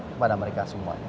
kepada mereka semuanya